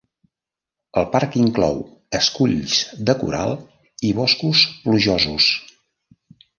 El parc inclou esculls de coral i boscos plujosos.